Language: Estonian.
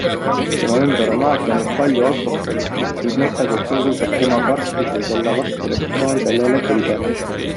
Tema ümber on alati olnud palju alkoholi ning Metsakutsu usub, et tema karskus võib olla vastureaktsioon sellele kõigele.